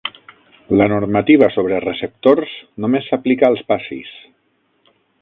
La normativa sobre receptors només s'aplica als passis.